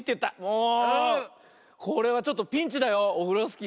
もうこれはちょっとピンチだよオフロスキー。